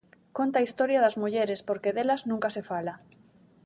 Conta a historia das mulleres porque delas nunca se fala.